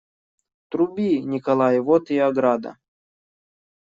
Труби, Николай, вот и ограда.